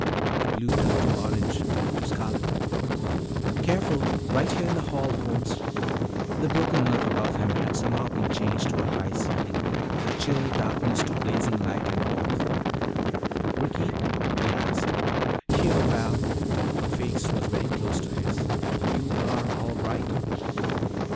The blue turned to orange to scarlet "Careful! Right here in the hall, Holmes " The broken earth above him had somehow been changed to a high ceiling, the chill darkness to blazing light and warmth. "Ricky?" he asked. "Here, Val." Her face was very close to his. "You are all right?"